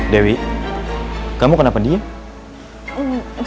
dewi kamu kenapa diem